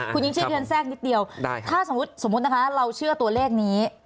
คุณยิ่งชีพเรียนแทรกนิดเดียวถ้าสมมุตินะคะเราเชื่อตัวเลขนี้